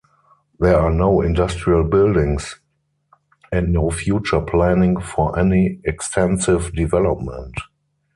There are no industrial buildings and no future planning for any extensive development.